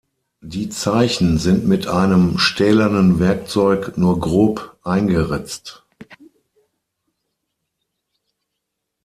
Die Zeichen sind mit einem stählernen Werkzeug nur grob eingeritzt.